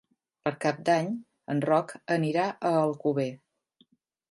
Per Cap d'Any en Roc anirà a Alcover.